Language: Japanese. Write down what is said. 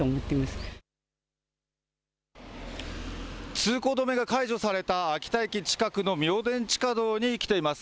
通行止めが解除された秋田駅近くの明田地下道に来ています。